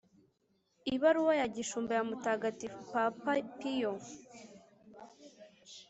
ibaruwa ya gishumba ya mutagatifu papa piyo